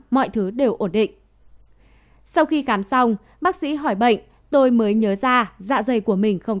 mọi thứ đều ổn định sau khi khám xong bác sĩ hỏi bệnh tôi mới nhớ ra dạ dày của mình không